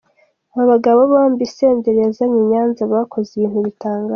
Aba bagabo bombi Senderi yazanye i Nyanza bakoze ibintu bitangaje.